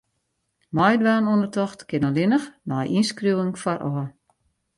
Meidwaan oan 'e tocht kin allinnich nei ynskriuwing foarôf.